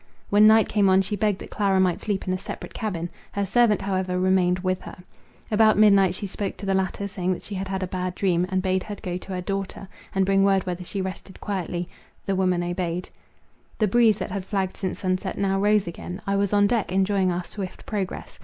When night came on, she begged that Clara might sleep in a separate cabin. Her servant, however, remained with her. About midnight she spoke to the latter, saying that she had had a bad dream, and bade her go to her daughter, and bring word whether she rested quietly. The woman obeyed. The breeze, that had flagged since sunset, now rose again. I was on deck, enjoying our swift progress.